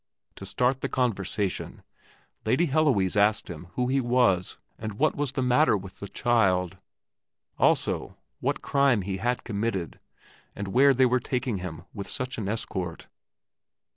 To start the conversation, Lady Heloise asked him who he was and what was the matter with the child; also what crime he had committed and where they were taking him with such an escort.